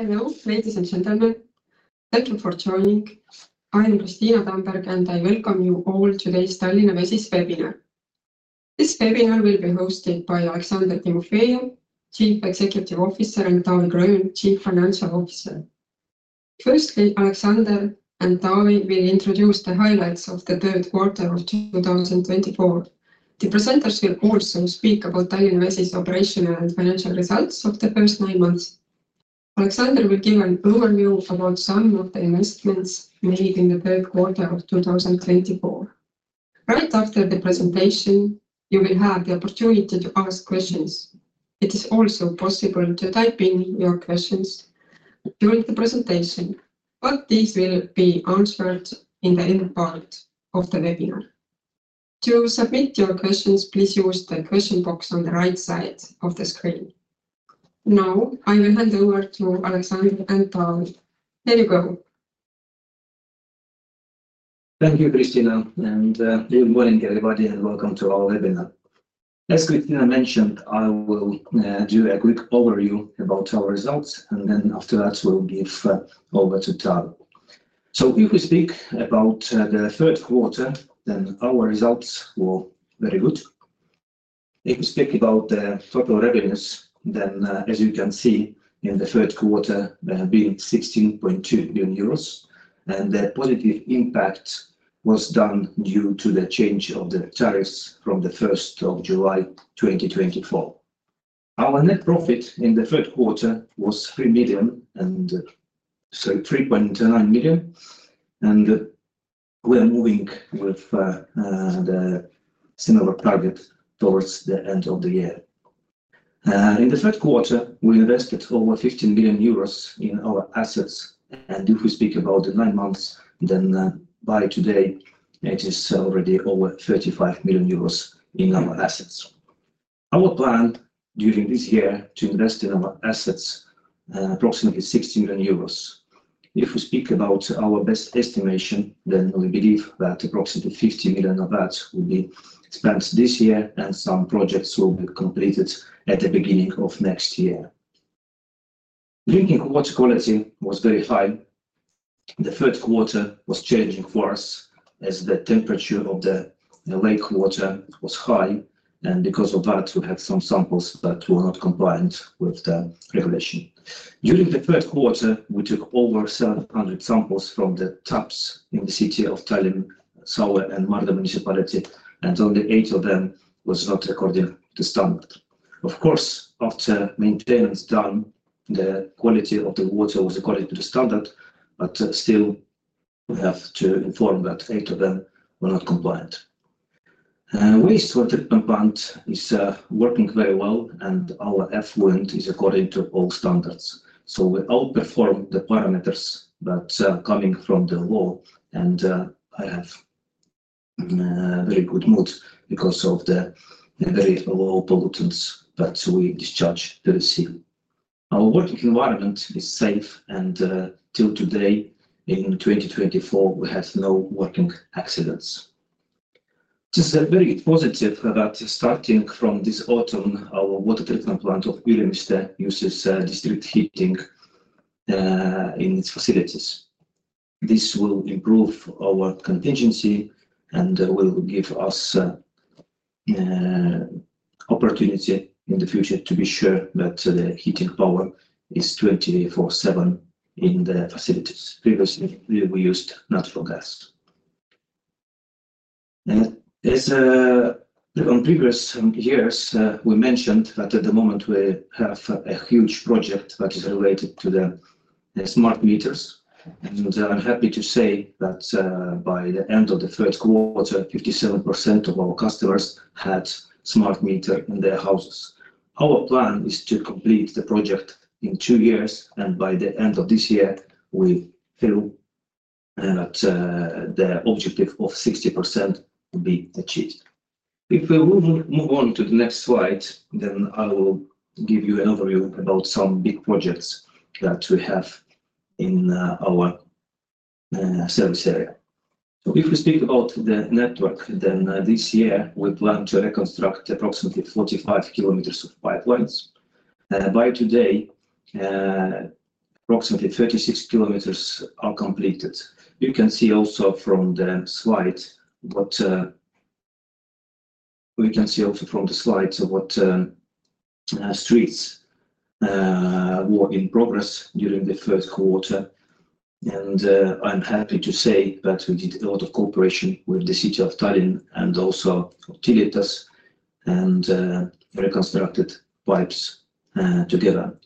Hello, ladies and gentlemen. Thank you for joining. I am Kristiina Tamberg and I welcome you all to this Tallinna Vesi webinar. This webinar will be hosted by Aleksandr Timofejev, Chief Executive Officer, and Taavi Gröön, Chief Financial Officer. Firstly, Aleksandr and Taavi will introduce the highlights of the third quarter of 2024. The presenters will also speak about Tallinna Vesi's operational and financial results of the first nine months. Aleksandr will give an overview about some of the investments made in the third quarter of 2024. Right after the presentation, you will have the opportunity to ask questions. It is also possible to type in your questions during the presentation, but these will be answered in the end part of the webinar. To submit your questions, please use the question box on the right side of the screen. Now, I will hand over to Aleksandr and Taavi. There you go. Thank you, Kristiina, and good morning, everybody, and welcome to our webinar. As Kristiina mentioned, I will do a quick overview about our results, and then after that, we'll give over to Taavi. So if we speak about the third quarter, then our results were very good. If we speak about the total revenues, then as you can see in the third quarter, there have been 16.2 million euros, and the positive impact was done due to the change of the tariffs from the 1st of July 2024. Our net profit in the third quarter was 3 million, and so 3.9 million, and we are moving with the similar target towards the end of the year. In the third quarter, we invested over 15 million euros in our assets, and if we speak about the nine months, then by today, it is already over 35 million euros in our assets. Our plan during this year is to invest in our assets approximately 60 million euros. If we speak about our best estimation, then we believe that approximately 50 million of that will be spent this year, and some projects will be completed at the beginning of next year. Drinking water quality was very high. The third quarter was challenging for us as the temperature of the lake water was high, and because of that, we had some samples that were not compliant with the regulation. During the third quarter, we took over 700 samples from the taps in the city of Tallinn, Saue, and Maardu municipality, and only eight of them were not according to the standard. Of course, after maintenance done, the quality of the water was according to the standard, but still, we have to inform that eight of them were not compliant. Wastewater plant is working very well, and our effluent is according to all standards, so we outperform the parameters that are coming from the law, and I have a very good mood because of the very low pollutants that we discharge to the sea. Our working environment is safe, and till today, in 2024, we had no working accidents. This is very positive that starting from this autumn, our water treatment plant of Ülemiste uses district heating in its facilities. This will improve our contingency and will give us an opportunity in the future to be sure that the heating power is 24/7 in the facilities. Previously, we used natural gas. As on previous years, we mentioned that at the moment we have a huge project that is related to the smart meters, and I'm happy to say that by the end of the third quarter, 57% of our customers had smart meters in their houses. Our plan is to complete the project in two years, and by the end of this year, we feel that the objective of 60% will be achieved. If we move on to the next slide, then I will give you an overview about some big projects that we have in our service area. So if we speak about the network, then this year we plan to reconstruct approximately 45 km of pipelines. By today, approximately 36 km are completed. You can see also from the slide what we can see also from the slides of what streets were in progress during the first quarter, and I'm happy to say that we did a lot of cooperation with the City of Tallinn and also utilities and reconstructed pipes together.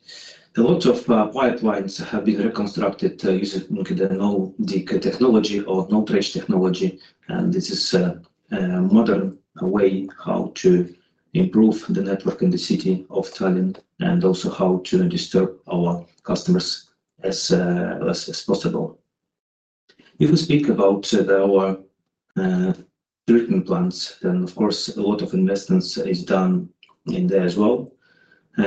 A lot of pipelines have been reconstructed using the no-dig technology or no-trench technology, and this is a modern way how to improve the network in the City of Tallinn and also how to disturb our customers as less as possible. If we speak about our treatment plants, then of course, a lot of investments are done in there as well. We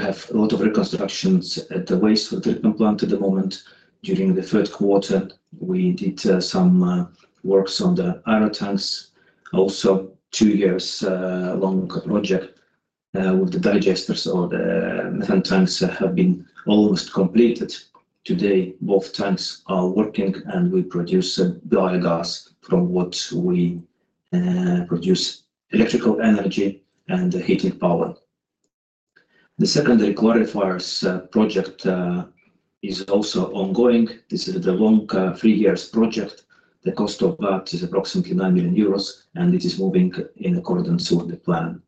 have a lot of reconstructions at the wastewater treatment plant at the moment. During the third quarter, we did some works on the aerotanks. Also, a two-year-long project with the digesters or the methane tanks have been almost completed. Today, both tanks are working, and we produce biogas from what we produce: electrical energy and heating power. The secondary clarifiers project is also ongoing. This is the long three-year project. The cost of that is approximately 9 million euros, and it is moving in accordance with the plan.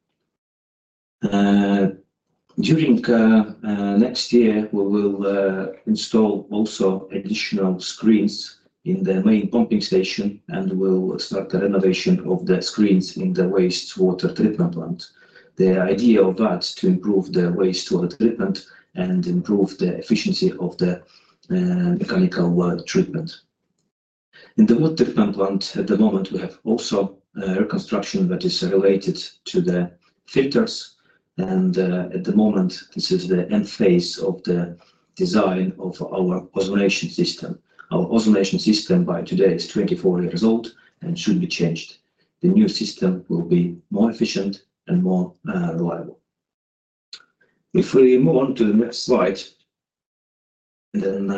During next year, we will install also additional screens in the main pumping station, and we'll start the renovation of the screens in the wastewater treatment plant. The idea of that is to improve the wastewater treatment and improve the efficiency of the mechanical treatment. In the water treatment plant, at the moment, we have also a reconstruction that is related to the filters, and at the moment, this is the end phase of the design of our ozonation system. Our ozonation system by today is 24 years old and should be changed. The new system will be more efficient and more reliable. If we move on to the next slide, then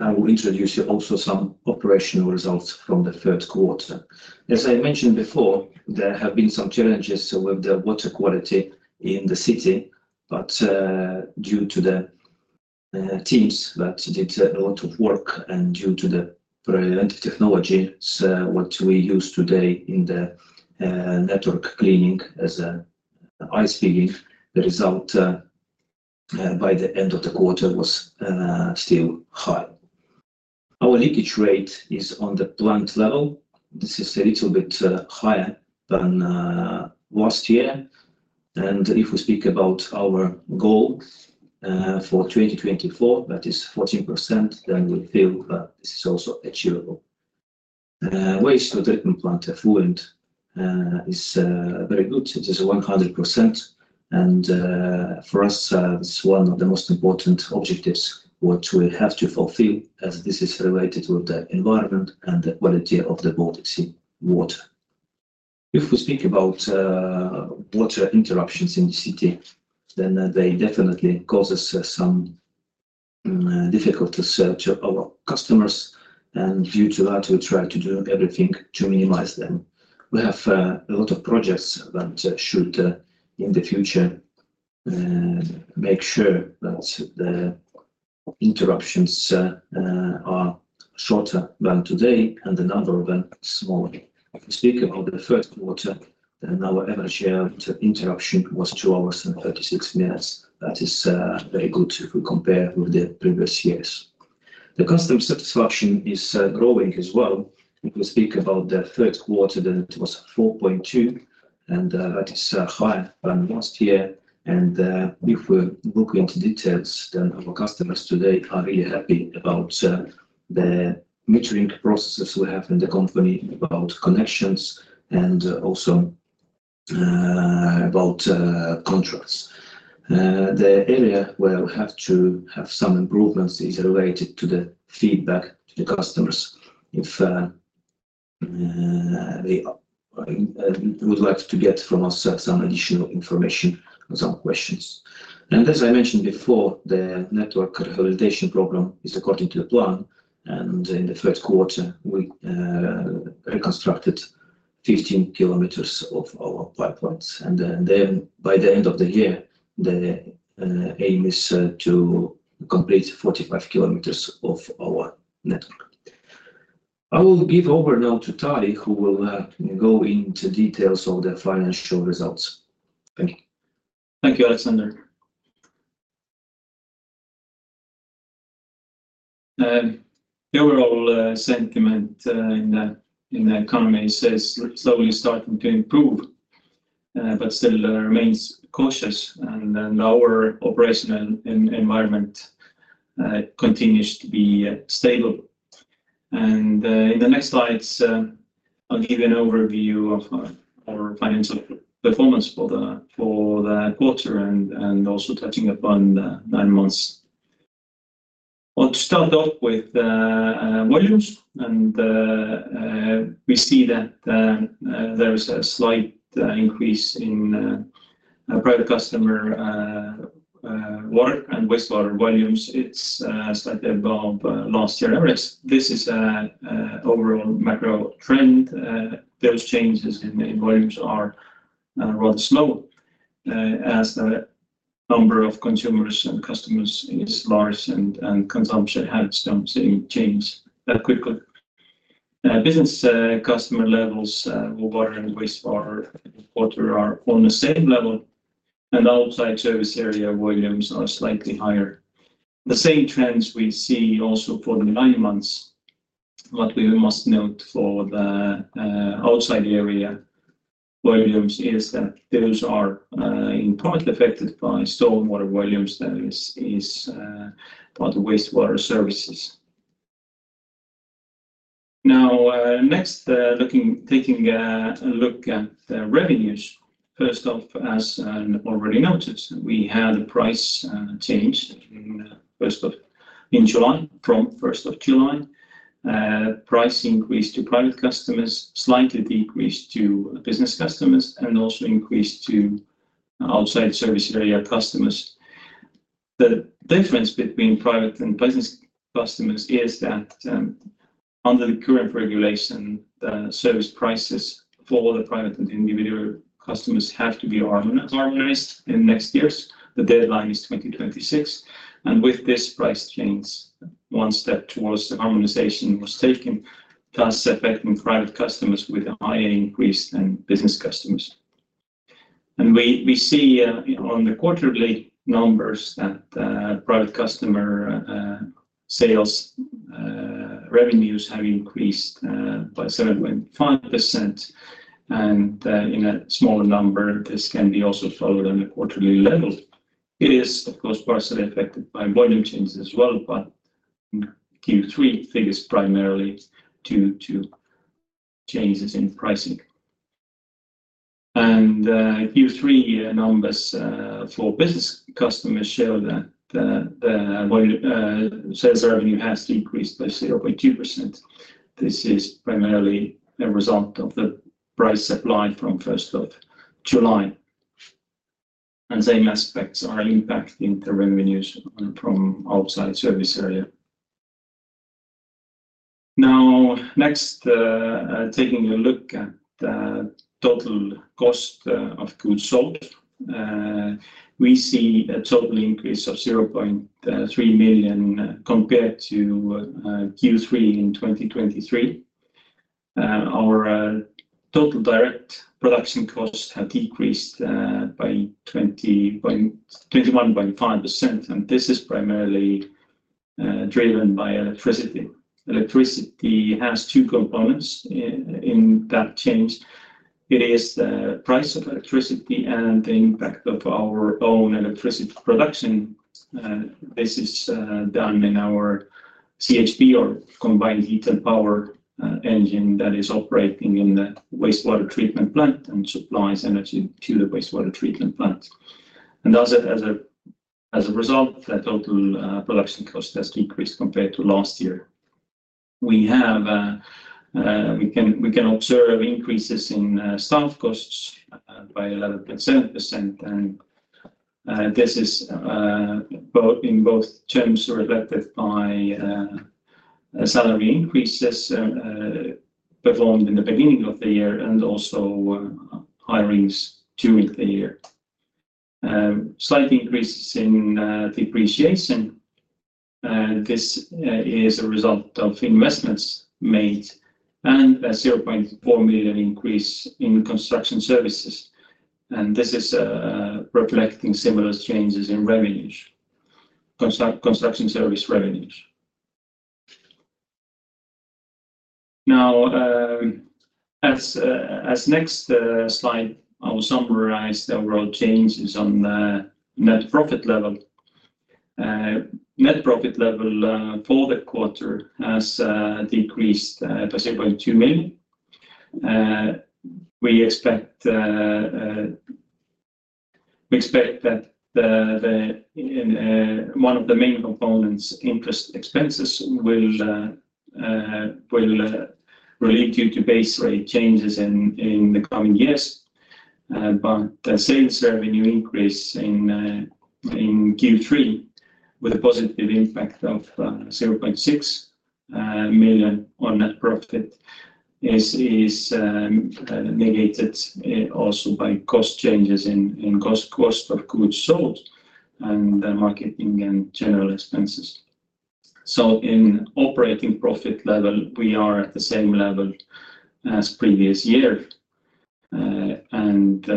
I will introduce also some operational results from the third quarter. As I mentioned before, there have been some challenges with the water quality in the city, but due to the teams that did a lot of work and due to the technologies that we use today in the network cleaning as an Ice Pigging, the result by the end of the quarter was still high. Our leakage rate is on the plant level. This is a little bit higher than last year, and if we speak about our goal for 2024, that is 14%, then we feel that this is also achievable. Wastewater treatment plant effluent is very good. It is 100%, and for us, it's one of the most important objectives what we have to fulfill as this is related with the environment and the quality of the Baltic Sea water. If we speak about water interruptions in the city, then they definitely cause us some difficulties to our customers, and due to that, we try to do everything to minimize them. We have a lot of projects that should in the future make sure that the interruptions are shorter than today and the number of them smaller. If we speak about the first quarter, then our average interruption was two hours and 36 minutes. That is very good if we compare with the previous years. The customer satisfaction is growing as well. If we speak about the third quarter, then it was 4.2, and that is higher than last year. If we look into details, then our customers today are really happy about the metering processes we have in the company, about connections, and also about contracts. The area where we have to have some improvements is related to the feedback to the customers if they would like to get from us some additional information or some questions. As I mentioned before, the network rehabilitation program is according to the plan, and in the third quarter, we reconstructed 15 km of our pipelines, and then by the end of the year, the aim is to complete 45 km of our network. I will give over now to Taavi, who will go into details of the financial results. Thank you. Thank you, Aleksandr. The overall sentiment in the economy is slowly starting to improve, but still remains cautious, and our operational environment continues to be stable, and in the next slides, I'll give you an overview of our financial performance for the quarter and also touching upon the nine months. I'll start off with volumes, and we see that there is a slight increase in private customer water and wastewater volumes. It's slightly above last year. This is an overall macro trend. Those changes in volumes are rather slow as the number of consumers and customers is large and consumption has some change. Business customer levels for water and wastewater are on the same level, and outside service area volumes are slightly higher. The same trends we see also for the nine months. What we must note for the outside area volumes is that those are in part affected by stormwater volumes that is part of wastewater services. Now, next, taking a look at revenues, first off, as already noted, we had a price change in July. From 1st of July, price increased to private customers, slightly decreased to business customers, and also increased to outside service area customers. The difference between private and business customers is that under the current regulation, the service prices for the private and individual customers have to be harmonized in next years. The deadline is 2026, and with this price change, one step towards the harmonization was taken, thus affecting private customers with a higher increase than business customers. We see on the quarterly numbers that private customer sales revenues have increased by 7.5%, and in a smaller number, this can be also followed on a quarterly level. It is, of course, partially affected by volume changes as well, but Q3 figures primarily due to changes in pricing. And Q3 numbers for business customers show that the sales revenue has increased by 0.2%. This is primarily a result of the price supply from 1st of July. And same aspects are impacting the revenues from outside service area. Now, next, taking a look at the total cost of goods sold, we see a total increase of 0.3 million compared to Q3 in 2023. Our total direct production costs have decreased by 21.5%, and this is primarily driven by electricity. Electricity has two components in that change. It is the price of electricity and the impact of our own electricity production. This is done in our CHP, or Combined Heat and Power Engine, that is operating in the wastewater treatment plant and supplies energy to the wastewater treatment plant. As a result, the total production cost has decreased compared to last year. We can observe increases in staff costs by 11.7%, and this is in both terms reflected by salary increases performed in the beginning of the year and also hirings during the year. Slight increases in depreciation. This is a result of investments made and a 0.4 million increase in construction services. This is reflecting similar changes in revenues, construction service revenues. Now, as next slide, I'll summarize the overall changes on the net profit level. Net profit level for the quarter has decreased by 0.2 million. We expect that one of the main components, interest expenses, will lead due to base rate changes in the coming years. But sales revenue increase in Q3 with a positive impact of 0.6 million on net profit is negated also by cost changes in cost of goods sold and marketing and general expenses. So in operating profit level, we are at the same level as previous year, and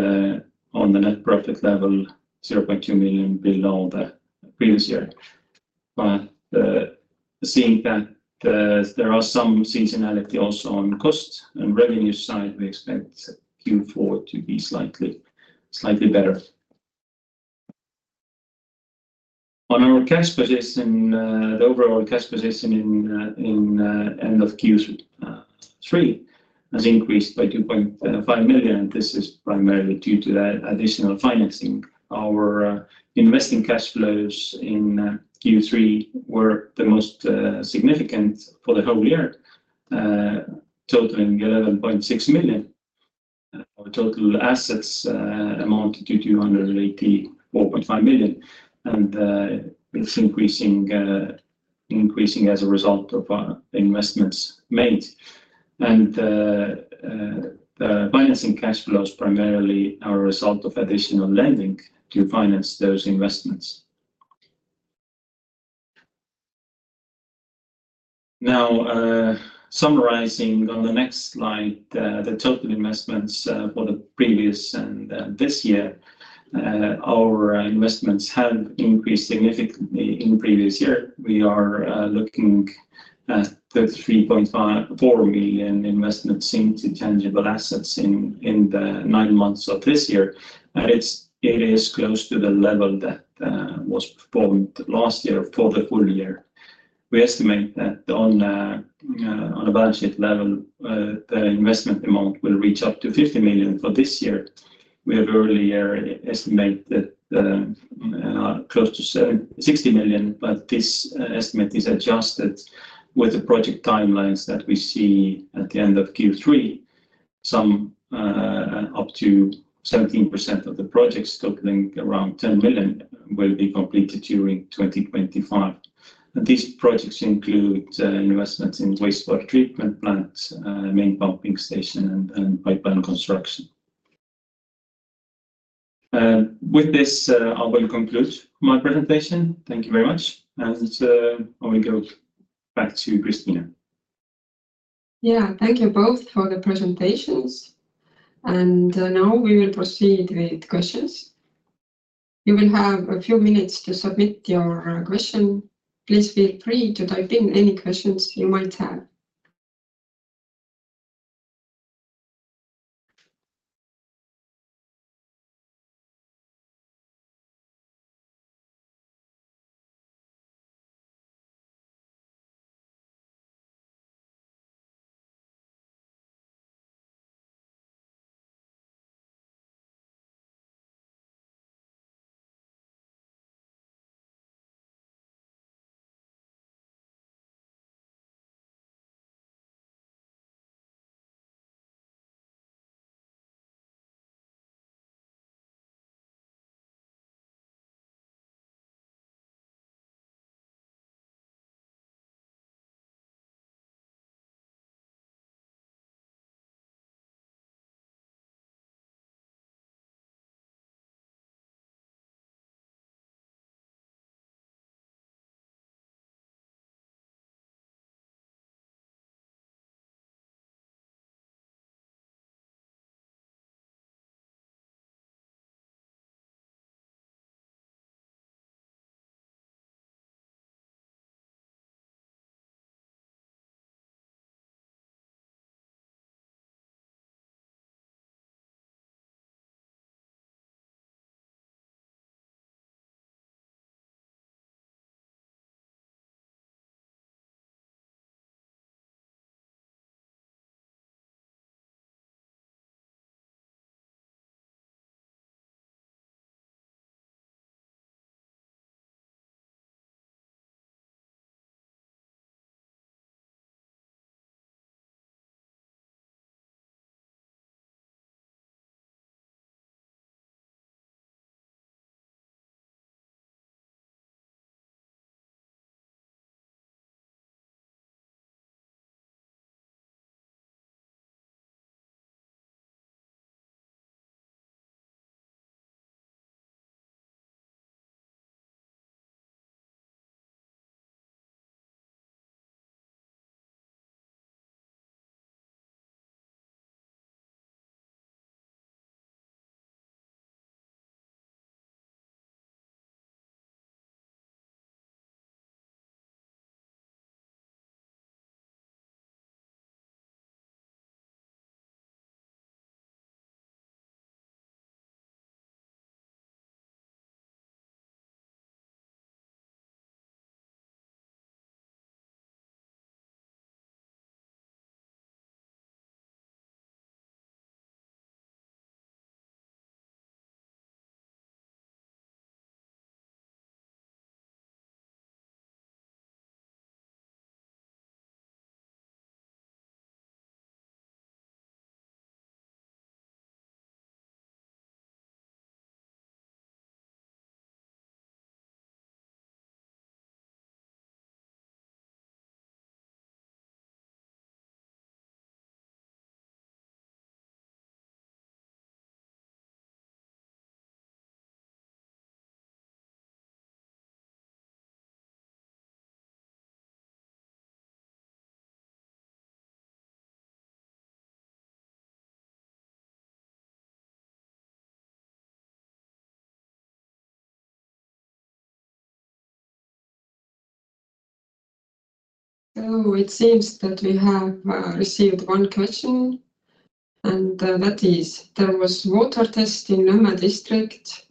on the net profit level, 0.2 million below the previous year. But seeing that there are some seasonality also on cost and revenue side, we expect Q4 to be slightly better. On our cash position, the overall cash position in end of Q3 has increased by 2.5 million. This is primarily due to the additional financing. Our investing cash flows in Q3 were the most significant for the whole year, totaling 11.6 million. Our total assets amount to 284.5 million, and it's increasing as a result of investments made, and the financing cash flows primarily are a result of additional lending to finance those investments. Now, summarizing on the next slide, the total investments for the previous and this year, our investments have increased significantly in the previous year. We are looking at 33.4 million investments into tangible assets in the nine months of this year. It is close to the level that was performed last year for the full year. We estimate that on a budget level, the investment amount will reach up to 50 million for this year. We have earlier estimated close to 60 million, but this estimate is adjusted with the project timelines that we see at the end of Q3. Some up to 17% of the projects, totaling around 10 million, will be completed during 2025. These projects include investments in wastewater treatment plants, main pumping station, and pipeline construction. With this, I will conclude my presentation. Thank you very much, and I will go back to Kristina. Yeah, thank you both for the presentations. And now we will proceed with questions. You will have a few minutes to submit your question. Please feel free to type in any questions you might have. So it seems that we have received one question, and that is, there was water test in Nõmme District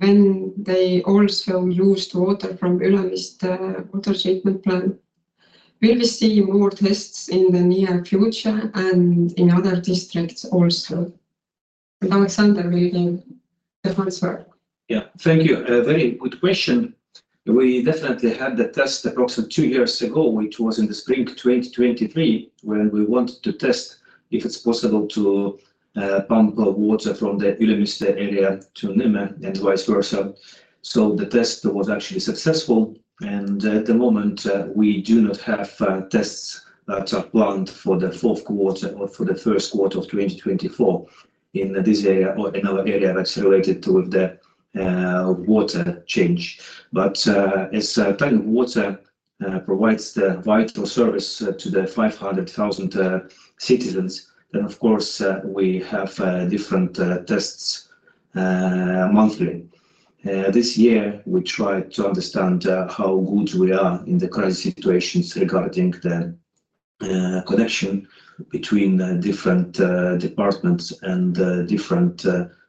when they also used water from Ülemiste water treatment plant. Will we see more tests in the near future and in other districts also? Aleksandr, will you give the answer? Yeah, thank you. Very good question. We definitely had the test approximately two years ago, which was in the spring 2023, when we wanted to test if it's possible to pump water from the Ülemiste area to Nõmme and vice versa. So the test was actually successful, and at the moment, we do not have tests that are planned for the fourth quarter or for the first quarter of 2024 in this area or in our area that's related to the water change. But as Tallinna Vesi provides the vital service to the 500,000 citizens, then, of course, we have different tests monthly. This year, we tried to understand how good we are in the crisis situations regarding the connection between different departments and different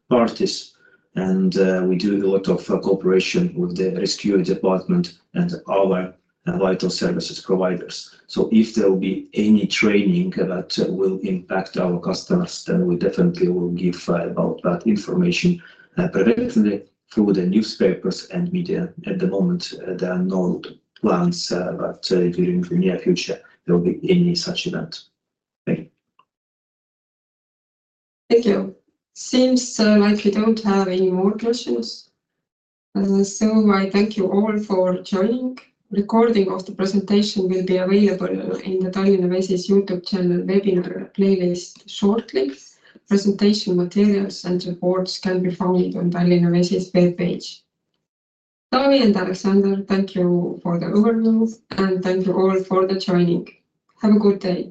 parties, and we do a lot of cooperation with the Rescue Department and our vital services providers. So if there will be any training that will impact our customers, then we definitely will give about that information preventively through the newspapers and media. At the moment, there are no plans that during the near future there will be any such event. Thank you. Thank you. Seems like we don't have any more questions. So I thank you all for joining. Recording of the presentation will be available in the Tallinna Vesi's YouTube channel webinar playlist shortly. Presentation materials and reports can be found on Tallinna Vesi's web page. Taavi and Aleksandr, thank you for the overview, and thank you all for joining. Have a good day.